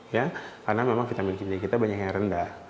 ya karena memang vitamin c d kita banyak yang rendah